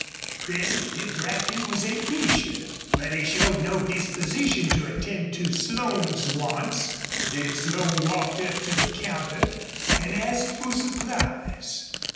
Presently Brackton was at leisure, but he showed no disposition to attend to Slone's wants. Then Slone walked up to the counter and asked for supplies.